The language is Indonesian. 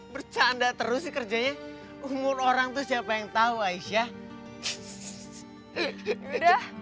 bercanda terus sih kerjanya umur orang tuh siapa yang tahu aisyah